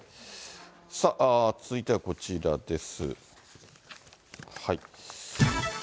続いてはこちらです。